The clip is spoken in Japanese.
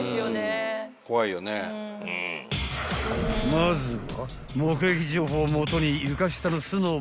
［まずは］